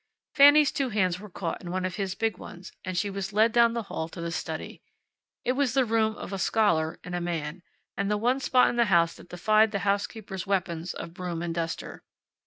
Fanny's two hands were caught in one of his big ones, and she was led down the hall to the study. It was the room of a scholar and a man, and the one spot in the house that defied the housekeeper's weapons of broom and duster.